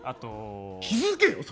気づけよ！